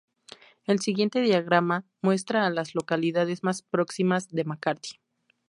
El siguiente diagrama muestra a las localidades más próximas a McCarthy.